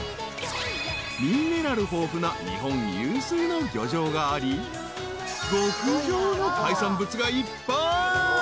［ミネラル豊富な日本有数の漁場があり極上の海産物がいっぱい。